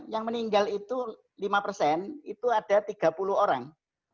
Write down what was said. yang meninggal itu lima persen itu ada tiga puluh orang